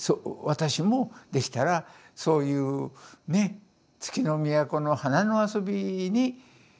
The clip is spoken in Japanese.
私もできたらそういうね「月の都の花の遊び」